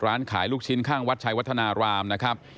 ร้านขายลูกชิ้นข้างวัดชัยวัฒนารามนะครับ